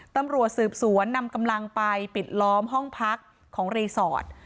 ตำรวจสืบสวนนำกำลังไปปิดล้อมห้องพักของรีสอร์ท